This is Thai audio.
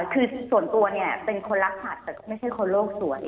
คือส่วนตัวเนี่ยเป็นคนรักสัตว์แต่ก็ไม่ใช่คนโลกสวน